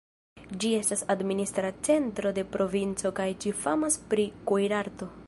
Ĝi estas administra centro de provinco kaj ĝi famas pri kuirarto.